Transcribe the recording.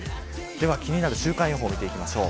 では気になる週間予報を見ていきましょう。